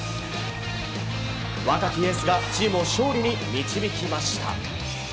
若きエースがチームを勝利に導きました。